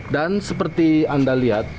dan seperti anda lihat